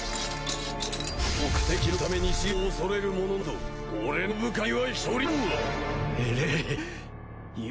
目的のために死を恐れる者など俺の部下には一人もおらんわ！